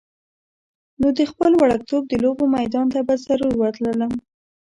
نو د خپل وړکتوب د لوبو میدان ته به ضرور ورتللم.